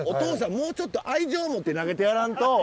もうちょっと愛情持って投げてやらんと！